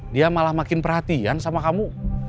dia malah makin perhatian sama kamu